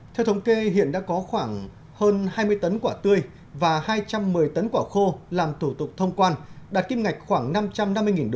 theo thống kê hiện đã có khoảng hơn hai mươi tấn quả tươi và hai trăm một mươi tấn quả khô làm thủ tục thông quan đạt kim ngạch khoảng năm trăm năm mươi usd